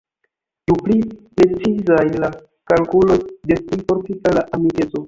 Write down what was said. Ju pli precizaj la kalkuloj, des pli fortika la amikeco.